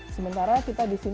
sementara kita disediakan